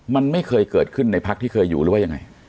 มันไม่เคยเกิดขึ้นในพักที่เคยอยู่หรือว่ายังไง